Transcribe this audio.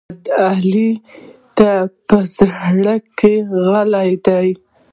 احمد؛ علي ته په زړه کې غل دی.